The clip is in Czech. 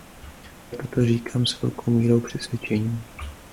Proto to říkám s velkou mírou přesvědčení.